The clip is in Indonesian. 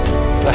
gak nanti pergi